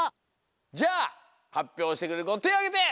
じゃあはっぴょうしてくれるこてあげて！